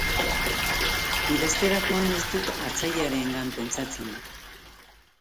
Idazterakoan ez dut hartzailearengan pentsatzen.